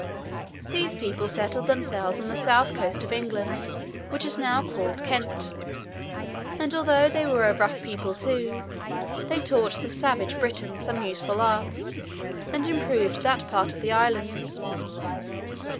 These people settled themselves on the south coast of England, which is now called Kent; and, although they were a rough people too, they taught the savage Britons some useful arts, and improved that part of the Islands.